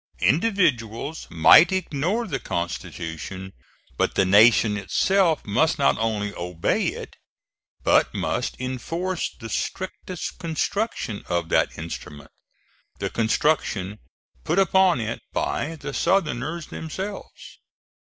Individuals might ignore the constitution; but the Nation itself must not only obey it, but must enforce the strictest construction of that instrument; the construction put upon it by the Southerners themselves.